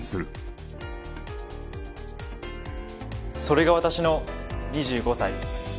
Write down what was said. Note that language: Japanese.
それが私の２５歳。